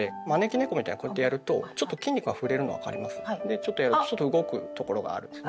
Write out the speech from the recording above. ちょっとやるとちょっと動くところがあるんですね。